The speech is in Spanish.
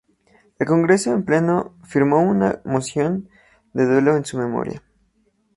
El Congreso en pleno firmó una moción de duelo en su memoria.